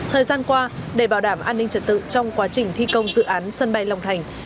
thời gian qua để bảo đảm an ninh trật tự trong quá trình thi công dự án sân bay long thành